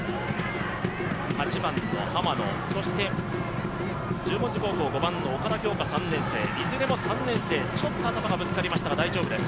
８番の濱野、そして十文字高校の岡田恭佳３年生、いずれも３年生、ちょっと頭がぶつかりましたが大丈夫です。